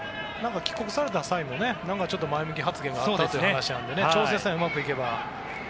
帰国された際も前向き発言があったという話で調整さえうまくいけば。